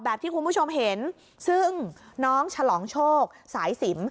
ที่คุณผู้ชมเห็นซึ่งน้องฉลองโชคสายสิม